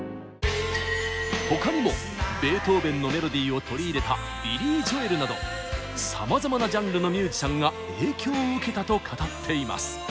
他にもベートーベンのメロディーを取り入れたビリー・ジョエルなどさまざまなジャンルのミュージシャンが影響を受けたと語っています。